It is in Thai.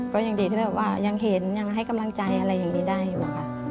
ก็ยังดีที่แบบว่ายังเห็นยังให้กำลังใจอะไรอย่างนี้ได้อยู่อะค่ะ